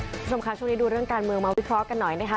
คุณผู้ชมค่ะช่วงนี้ดูเรื่องการเมืองมาวิเคราะห์กันหน่อยนะคะ